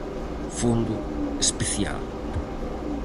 Fondo especial.